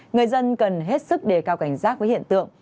người dân cần hết sức đề cao cảnh giác với hiện tượng